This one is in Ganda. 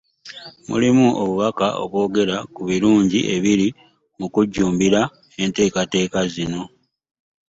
Mulimu obubaka obwogera ku birungi ebiri mu kujjumbira enteekateeka zino